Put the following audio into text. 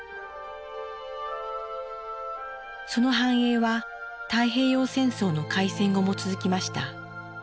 その繁栄は太平洋戦争の開戦後も続きました。